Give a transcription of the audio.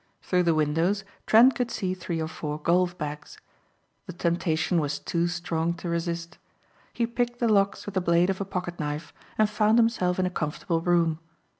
Through the windows Trent could see three or four golf bags. The temptation was too strong to resist. He picked the locks with the blade of a pocket knife and found himself in a comfortable room.